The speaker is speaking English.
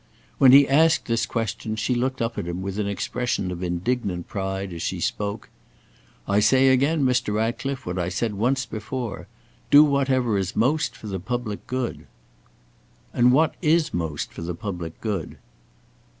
When he asked this question she looked up at him with an expression of indignant pride, as she spoke: "I say again, Mr. Ratcliffe, what I said once before. Do whatever is most for the public good." "And what is most for the public good?"